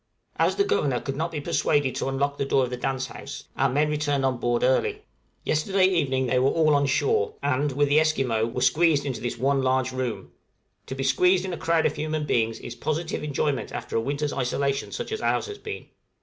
As the Governor could not be persuaded to unlock the door of the dance house, our men returned on board early; yesterday evening they were all on shore, and, with the Esquimaux, were squeezed into this one large room: to be squeezed in a crowd of human beings is positive enjoyment after a winter's isolation such as ours has been.